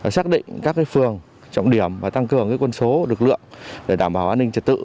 xác định các phường trọng điểm và tăng cường quân số lực lượng để đảm bảo an ninh trật tự